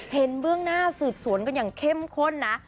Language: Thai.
เบื้องหน้าสืบสวนกันอย่างเข้มข้นนะ